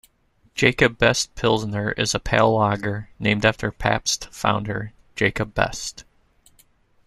"Jacob Best Pilsner" is a pale lager named after Pabst's founder, Jacob Best.